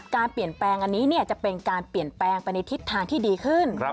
การเปลี่ยนแปลงอันนี้จะเป็นการเปลี่ยนแปลงไปในทิศทางที่ดีขึ้น